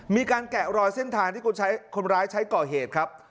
แกะรอยเส้นทางที่คนร้ายใช้ก่อเหตุครับ